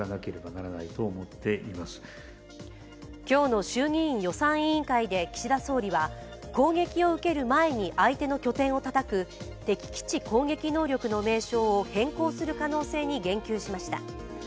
今日の衆議院予算委員会で岸田総理は攻撃を受ける前に相手の拠点をたたく敵基地攻撃能力の名称を変更する可能性に言及しました。